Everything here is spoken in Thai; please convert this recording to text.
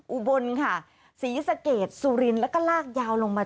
อุบลค่ะศรีสะเกดสุรินทร์แล้วก็ลากยาวลงมา